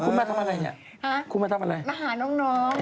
คุณแม่ทำอะไรเนี่ยคุณแม่ทำอะไรเนี่ยมาหาน้อง